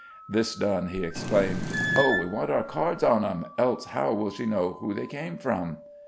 This done, he exclaimed: "Oh! we want our cards on em, else how will she know who they came from?"